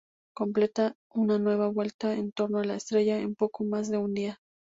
Completa una vuelta en torno a la estrella en poco más de un día.